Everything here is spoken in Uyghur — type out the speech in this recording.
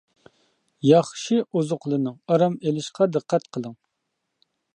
ياخشى ئوزۇقلىنىڭ، ئارام ئېلىشقا دىققەت قىلىڭ.